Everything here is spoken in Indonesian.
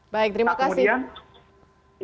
baik terima kasih